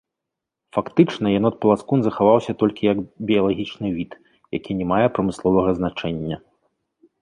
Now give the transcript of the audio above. Фактычна янот-паласкун захаваўся толькі як біялагічны від, які не мае прамысловага значэння.